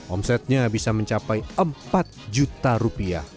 omsetnya bisa mencapai empat juta rupiah